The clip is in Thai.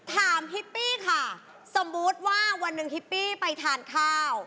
ฮิปปี้ค่ะสมมุติว่าวันหนึ่งฮิปปี้ไปทานข้าว